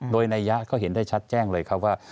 โดยนัยยะก็เห็นได้ชัดแจ้งเลยครับว่า